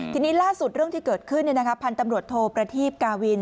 ทีนี้ล่าสุดเรื่องที่เกิดขึ้นพันธุ์ตำรวจโทประทีพกาวิน